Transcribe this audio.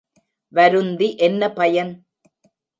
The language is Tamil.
வருந்தி என்ன பயன்!